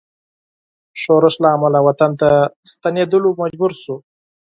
ښورښ له امله وطن ته ستنېدلو مجبور شو.